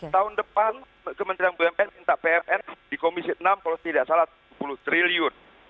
tahun depan kementerian bumn minta pln di komisi enam kalau tidak salah rp sepuluh triliun